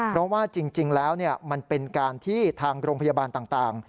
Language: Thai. เพราะว่าจริงแล้วมันเป็นการที่ทางโรงพยาบาลต่าง